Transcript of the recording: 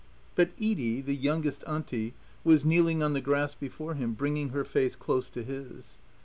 But Edie, the youngest Auntie, was kneeling on the grass before him, bringing her face close to his.